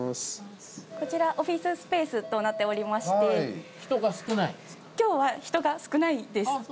こちらオフィススペースとなっておりまして人が少ないんですか？